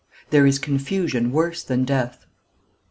THERE IS CONFUSION WORSE THAN DEATH.